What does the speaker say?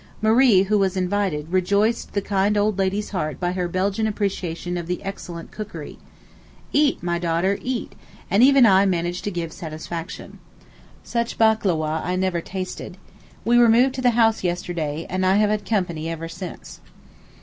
Marie, who was invited, rejoiced the kind old lady's heart by her Belgian appreciation of the excellent cookery. 'Eat, my daughter, eat,' and even I managed to give satisfaction. Such Bakloweh I never tasted. We removed to the house yesterday, and I have had company ever since.